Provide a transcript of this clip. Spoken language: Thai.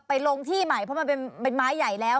ลงที่ใหม่เพราะมันเป็นไม้ใหญ่แล้ว